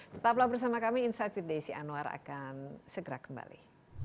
tetaplah bersama kami insight with desi anwar akan segera kembali